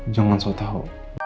jangan soal tau